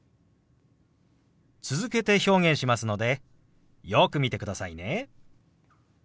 続けて表現しますのでよく見てくださいね。